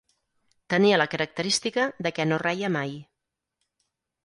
Tenia la característica de què no reia mai.